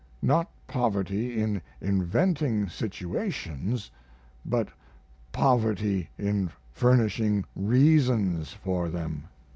Not poverty in inventing situations, but poverty in furnishing reasons for them.